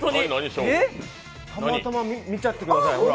たまたま見ちゃってください、これ。